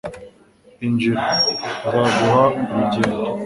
injira. nzaguha urugendo